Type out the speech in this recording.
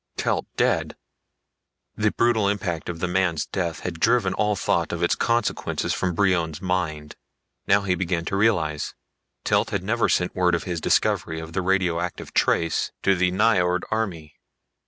Telt dead! The brutal impact of the man's death had driven all thought of its consequences from Brion's mind. Now he began to realize. Telt had never sent word of his discovery of the radioactive trace to the Nyjord army.